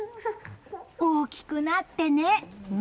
大きくなってね！